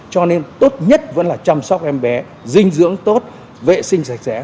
cho nên tốt nhất vẫn là chăm sóc em bé dinh dưỡng tốt vệ sinh sạch sẽ